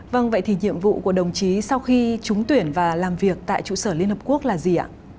vâng vậy thì nhiệm vụ của đồng chí sau khi trúng tuyển và làm việc tại trụ sở liên hợp quốc là gì ạ